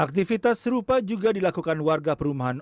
aktivitas serupa juga dilakukan warga perumahan